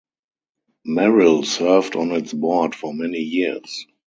Merrill served on its board for many years.